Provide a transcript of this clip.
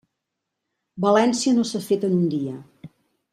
València no s'ha fet en un dia.